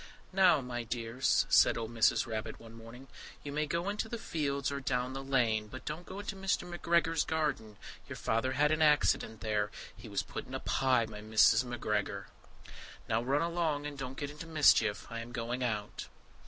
"Now, my dears," said old Mrs. Rabbit one morning, "you may go into the fields or down the lane, but don't go into Mr. McGregor's garden: your Father had an accident there; he was put in a pie by Mrs. McGregor." "Now run along, and don't get into mischief. I am going out."